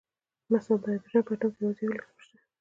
مثلاً د هایدروجن په اتوم کې یوازې یو الکترون شته